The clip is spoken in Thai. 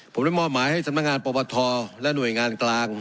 ผมได้มอบหมายให้สำนักงานปปทและหน่วยงานกลาง